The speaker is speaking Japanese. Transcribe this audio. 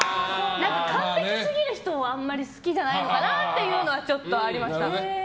完璧すぎる人はあまり好きじゃないのかなっていうのはちょっとありました。